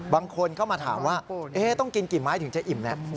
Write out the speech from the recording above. บางคนเข้ามาถามว่าต้องกินกี่ไม้ถึงจะอิ่มแล้ว